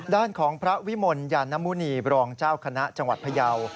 ด้านของพระวิมลยานมุณีบรองเจ้าคณะจังหวัดพยาว